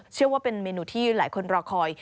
เชื่อว่าเป็นเมนูที่หลายคนรอคอย